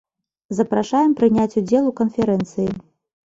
Запрашаем прыняць удзел у канферэнцыі.